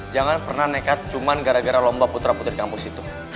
jangan pernah nekat cuma gara gara lomba putra putri kampus itu